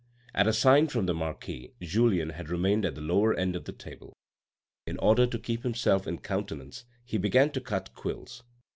At a sign from the marquis, Julien had remained at the lower end of the table. In order to keep himself in countenance, he began to cut quills.